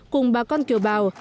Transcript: cùng bà con kiều bào